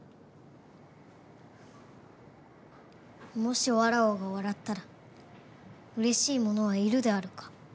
もしわらわが笑ったら嬉しい者はいるであるか？